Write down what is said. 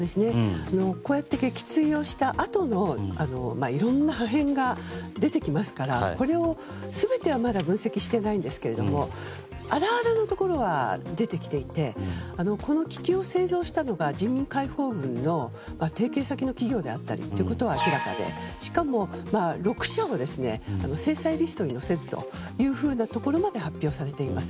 こうやって撃墜をしたあともいろんな破片が出てきますからこれを、全てはまだ分析していないんですけれども粗々なところは出てきていてこの気球を製造したのが人民解放軍の提携先の企業であったということは明らかであって、しかも６社を制裁リストに載せるということまで発表されています。